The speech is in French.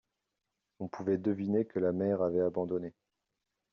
On pouvait deviner que la mère avait abandonné.